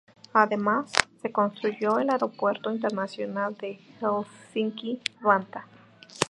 Además, se construyó el aeropuerto internacional de Helsinki-Vantaa.